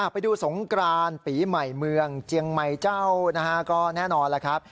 ไปดูสงกรานปีใหม่เมืองเจียงใหม่เจ้านะฮะก็แน่นอนแล้วครับ